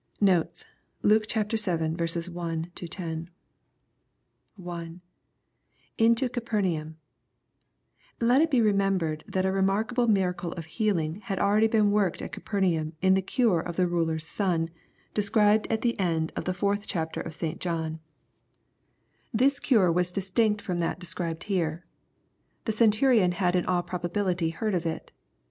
Notes. Luke VII. 1 — 10. 1, — [into Capemjaum^ Let it be remembered that a remarkable miracle of healing had already been worked at Capernaum in the cure a' the ruler's son, described at the end oi ths fourth LUKE^ CHAP. VII. 205 chapter of St. J ^hn. This cure was distinct from that described here. The Centurion had in all probability heard of it.